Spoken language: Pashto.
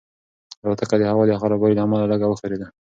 الوتکه د هوا د خرابوالي له امله لږه وښورېده.